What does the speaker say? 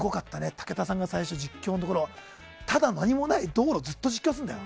武田さんが最初、実況のところただ何もない道路をずっと実況するんだよ。